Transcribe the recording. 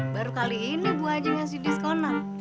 baru kali ini bu aji ngasih diskonan